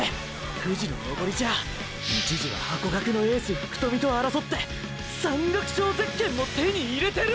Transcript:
富士の登りじゃ一時はハコガクのエース福富と争って山岳賞ゼッケンも手に入れてるんだ！！